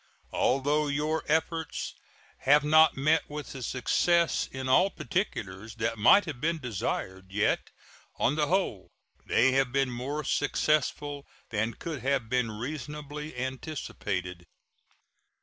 Although your efforts have not met with the success in all particulars that might have been desired, yet on the whole they have been more successful than could have been reasonably anticipated.